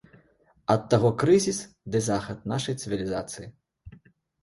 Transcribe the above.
Ад таго крызіс ды захад нашай цывілізацыі.